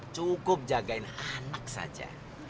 cukup jagain anak saja